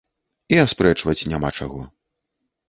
І аспрэчваць няма чаго.